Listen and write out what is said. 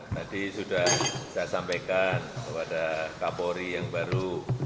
tadi sudah saya sampaikan kepada kapolri yang baru